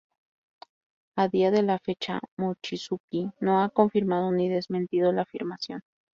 A día de la fecha, Mochizuki no ha confirmado ni desmentido la afirmación.